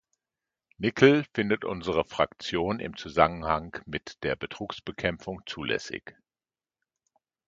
Nickel findet unsere Fraktion im Zusammenhang mit der Betrugsbekämpfung zulässig.